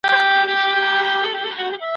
د محمد داوود خان حکومت چا ړنګ کړ؟